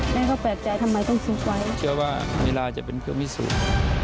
แม่เขาแปลกใจทำไมต้องซุกไว้เชื่อว่าเวลาจะเป็นเวลามิสุทธิ์